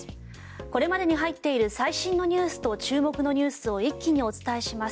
これまでに入っている最新ニュースと注目ニュースを一気にお伝えします。